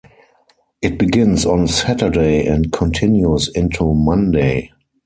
It begins on Saturday and continues into Monday.